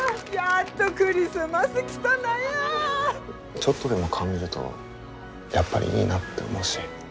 ちょっとでも顔見るとやっぱりいいなって思うし。